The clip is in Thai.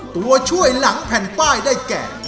ตัวช่วยหลังแผ่นป้ายได้แก่